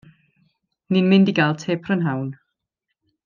Ni'n mynd i ga'l te prynhawn.